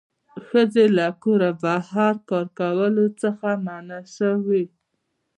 ښځې له کوره بهر کار کولو څخه منع شوې